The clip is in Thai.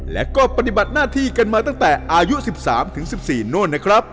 และก็ปฏิบัติหน้าที่กันมาตั้งแต่อายุ๑๓๑๔โน่นนะครับ